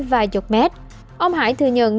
vài chục mét ông hải thừa nhận